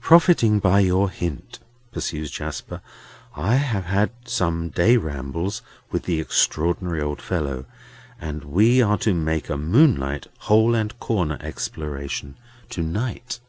"Profiting by your hint," pursues Jasper, "I have had some day rambles with the extraordinary old fellow, and we are to make a moonlight hole and corner exploration to night."